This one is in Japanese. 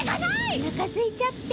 おなかすいちゃって。